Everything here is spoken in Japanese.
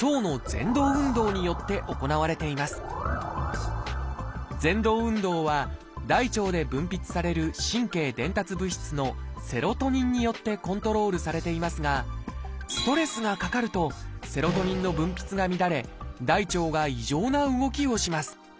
ぜん動運動は大腸で分泌される神経伝達物質の「セロトニン」によってコントロールされていますがストレスがかかるとセロトニンの分泌が乱れ大腸が異常な動きをします。